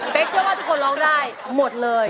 เป็นเชื่อว่าทุกคนร้องได้หมดเลย